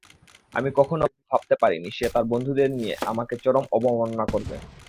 আমি কখনো ভাবতে পারিনি সে তার বন্ধুদের নিয়ে আমাকে চরম অবমাননা করবে।